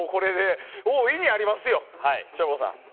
大いにありますよ、省吾さん。